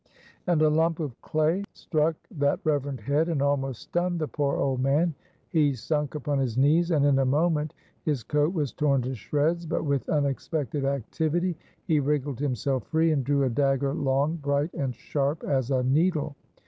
And a lump of clay struck that reverend head and almost stunned the poor old man. He sunk upon his knees, and in a moment his coat was torn to shreds, but with unexpected activity he wriggled himself free and drew a dagger long, bright, and sharp as a needle.